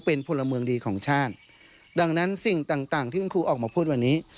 เป็นพลเมืองดีของชาติดังนั้นสิ่งต่างต่างที่คุณครูออกมาพูดวันนี้